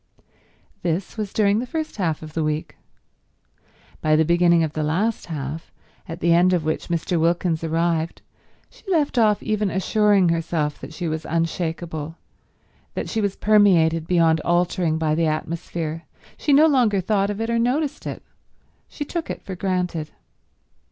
This was during the first half of the week. By the beginning of the last half, at the end of which Mr. Wilkins arrived, she left off even assuring herself that she was unshakeable, that she was permeated beyond altering by the atmosphere, she no longer thought of it or noticed it; she took it for granted.